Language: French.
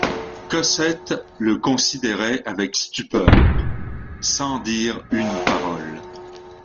Cosette le considérait avec stupeur, sans dire une parole.